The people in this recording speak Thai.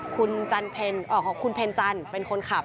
คุณเป็นจันเป็นคนขับ